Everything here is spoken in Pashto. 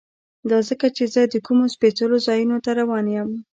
دا ځکه چې زه د کومو سپېڅلو ځایونو ته روان یم.